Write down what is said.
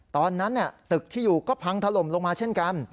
ตอนนั้นตึกที่อยู่ก็พังถล่มลงมาเช่นกัน